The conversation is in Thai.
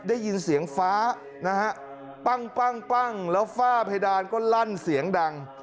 ได้ยินเสียงฟ้านะฮะปั้งแล้วฝ้าเพดานก็ลั่นเสียงดัง